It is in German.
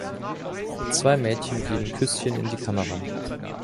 Zwei Mädchen geben Küsschen in die Kamera.